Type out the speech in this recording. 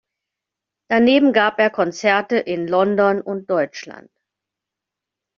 Daneben gab er Konzerte in London und Deutschland.